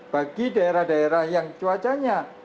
bagi daerah daerah yang cuacanya